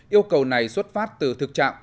yêu cầu này xuất phát từ thực trạng